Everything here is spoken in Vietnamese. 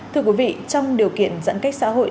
thưa quý vị trong điều kiện giãn cách xã hội